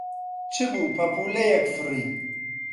چ بوو پەپوولەیەک فڕی